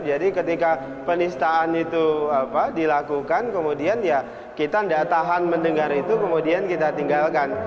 jadi ketika penistaan itu apa dilakukan kemudian ya kita gak tahan mendengar itu kemudian kita tinggalkan